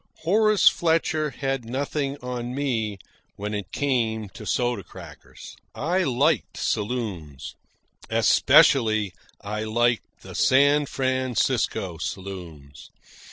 Horace Fletcher had nothing on me when it came to soda crackers. I liked saloons. Especially I liked the San Francisco saloons.